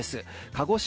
鹿児島